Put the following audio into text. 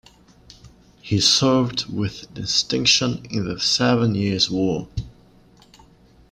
He served with distinction in the Seven Years' War.